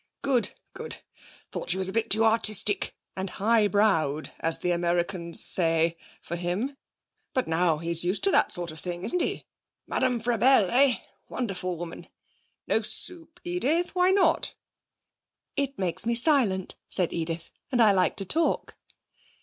'Good, good. Thought she was a bit too artistic, and high browed, as the Americans say, for him. But now he's used to that sort of thing, isn't he? Madame Frabelle, eh? Wonderful woman. No soup, Edith: why not?' 'It makes me silent,' said Edith; 'and I like to talk.'